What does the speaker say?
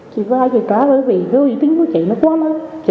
chị gọi chị trả bởi vì cái uy tín của chị nó quá lớn